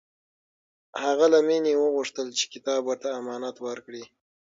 هغه له مینې وغوښتل چې کتاب ورته امانت ورکړي